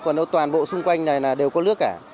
còn nó toàn bộ xung quanh này là đều có nước